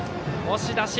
押し出し。